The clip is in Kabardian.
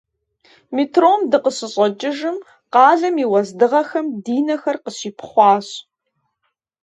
Метром дыкъыщыщӀэкӀыжым, къалэм и уэздыгъэхэм ди нэхэр къыщипхъуащ.